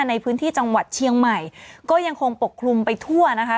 ในพื้นที่จังหวัดเชียงใหม่ก็ยังคงปกคลุมไปทั่วนะคะ